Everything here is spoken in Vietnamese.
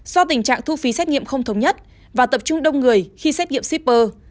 do tình trạng thu phí xét nghiệm không thống nhất và tập trung đông người khi xét nghiệm shipper